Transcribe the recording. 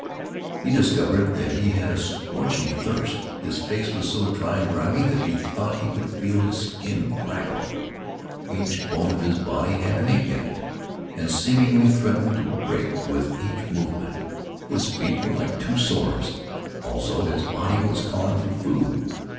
He discovered that he had a scorching thirst. His face was so dry and grimy that he thought he could feel his skin crackle. Each bone of his body had an ache in it, and seemingly threatened to break with each movement. His feet were like two sores. Also, his body was calling for food.